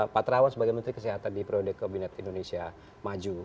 pak terawan sebagai menteri kesehatan di periode kabinet indonesia maju